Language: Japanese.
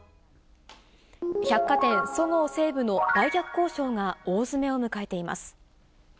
百貨店、そうご・西武の売却交渉が大詰めを迎えています。